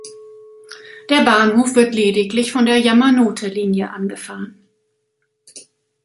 Der Bahnhof wird lediglich von der Yamanote-Linie angefahren.